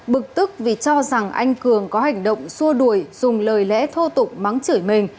bực tức vì cho rằng anh cường có hành động xua đuổi dùng lời lẽ thô tục mắng chửi mình